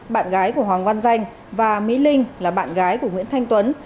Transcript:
bạn gái của hoàng văn danh và mỹ linh là bạn gái của nguyễn thanh tuấn